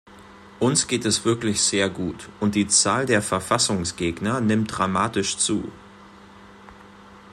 Uns geht es wirklich sehr gut, und die Zahl der Verfassungsgegner nimmt dramatisch zu.